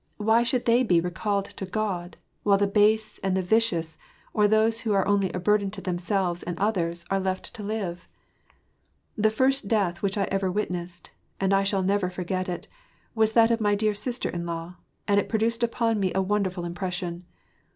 238 WAR AND PEACE, —why should they be recalled U> God; while the base and the ▼idous, or those who are only a burden to themselves and others, are left to live ? The first death which I ever witnessed — and 1 shall never foi^t it — was that of my dear sister in law, and it produced upon me a wonderful impression.